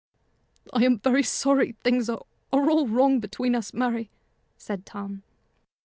"I am very sorry things are all wrong between us, Mary," said Tom.